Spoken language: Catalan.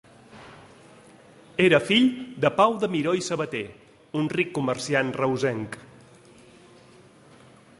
Era fill de Pau de Miró i Sabater, un ric comerciant reusenc.